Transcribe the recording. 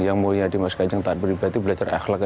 yang mulia dimas kanjeng taat pribadi belajar akhlak